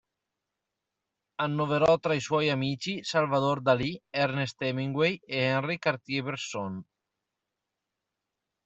Annoverò tra i suoi amici, Salvador Dalí, Ernest Hemingway e Henri Cartier-Bresson.